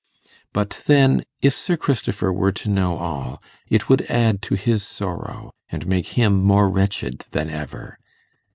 But then, if Sir Christopher were to know all, it would add to his sorrow, and make him more wretched than ever.